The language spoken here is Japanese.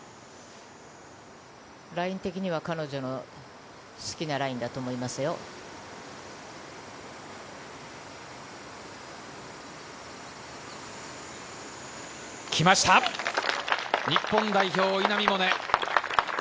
ライン的には彼女の好きなラインだと思いますよ。来ました、日本代表・稲見萌寧。